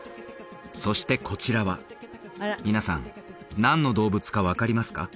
そしてこちらは皆さん何の動物か分かりますか？